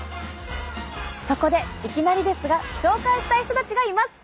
そこでいきなりですが紹介したい人たちがいます！